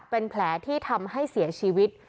เป็นแผลที่ทำให้เสียชีวิต